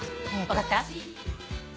分かった？